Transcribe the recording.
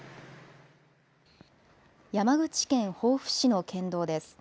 山口県防府市の県道です。